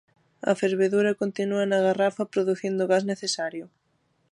A fervedura continúa na garrafa producindo o gas necesario.